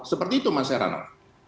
seperti itu mas heranov